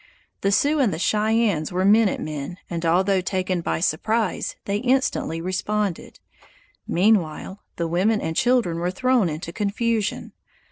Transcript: The Sioux and the Cheyennes were "minute men", and although taken by surprise, they instantly responded. Meanwhile, the women and children were thrown into confusion.